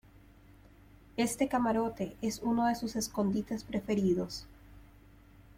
este camarote es uno de sus escondites preferidos.